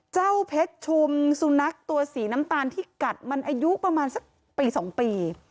เจ้าเพชรชุมสุนัขตัวสีน้ำตาลที่กัดมันอายุประมาณสักปี๒ปี